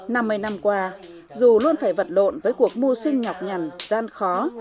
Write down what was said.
năm mươi năm qua dù luôn phải vật lộn với cuộc mua sinh nhọc nhằn gian khó